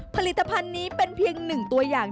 ผลิตภัณฑ์นี้เป็นเพียงหนึ่งตัวอย่าง